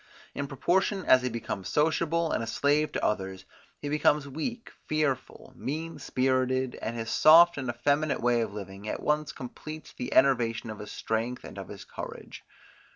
In proportion as he becomes sociable and a slave to others, he becomes weak, fearful, mean spirited, and his soft and effeminate way of living at once completes the enervation of his strength and of his courage.